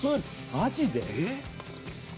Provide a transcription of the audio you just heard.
マジで？